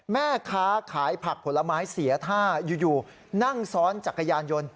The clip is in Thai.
แม่ค้าขายผักผลไม้เสียท่าอยู่นั่งซ้อนจักรยานยนต์